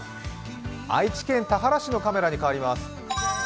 愛知県田原市のカメラに変わります。